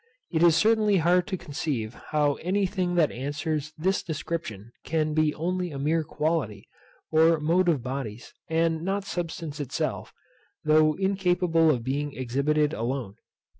It is certainly hard to conceive how any thing that answers this description can be only a mere quality, or mode of bodies, and not substance itself, though incapable of being exhibited alone.